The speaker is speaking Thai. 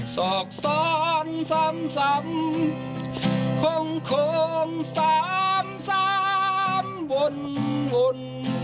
ศศส่นสัมสรมคงคงสรมสรมวนวน